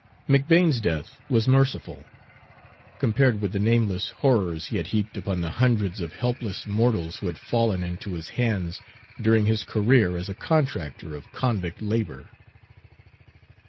McBane's death was merciful, compared with the nameless horrors he had heaped upon the hundreds of helpless mortals who had fallen into his hands during his career as a contractor of convict labor.